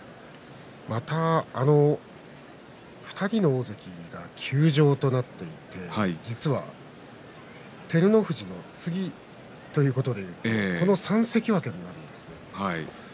また２人の大関は休場となっていて実は照ノ富士の次ということでこの３関脇になるわけですね。